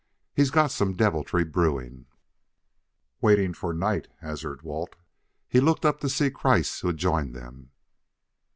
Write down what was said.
He's got some deviltry brewing." "Waiting for night," hazarded Walt. He looked up to see Kreiss who had joined them.